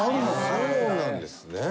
そうなんですね。